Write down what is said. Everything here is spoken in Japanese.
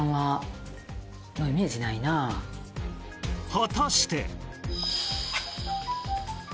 果たして？